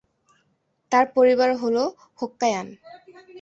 তার পরিবার হল হোক্কাইয়ান।